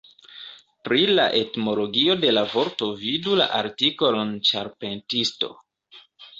Pri la etimologio de la vorto vidu la artikolon "ĉarpentisto".